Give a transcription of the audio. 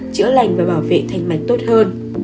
chữa lành và bảo vệ thanh mạch tốt hơn